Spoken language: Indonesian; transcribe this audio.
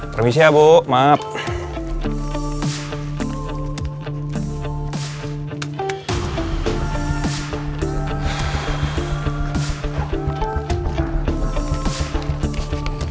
permisi ya bu maaf